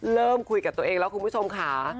เริ่มคุยกับตัวเองแล้วคุณผู้ชมค่ะ